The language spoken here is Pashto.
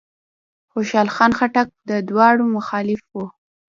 خوشحال خان خټک د دواړو مخالف و.